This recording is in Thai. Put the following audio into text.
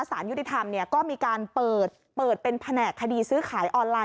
สารยุติธรรมก็มีการเปิดเป็นแผนกคดีซื้อขายออนไลน